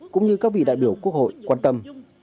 cũng như các vị đại biểu quốc hội quan tâm